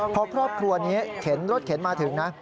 พอครอบครัวนี้เข็นรถเข็นมาถึงนะ